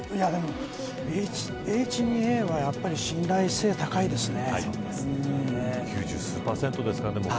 Ｈ２Ａは信頼性高いですね。